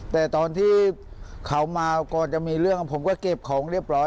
แต่ตอนที่เขามาก่อนจะมีเรื่องผมก็เก็บของเรียบร้อย